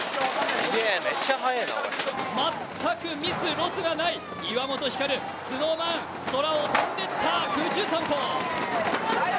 全くミス、ロスがない、岩本照、ＳｎｏｗＭａｎ、空を飛んでいった、空中散歩。